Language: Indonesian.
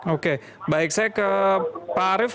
oke baik saya ke pak arief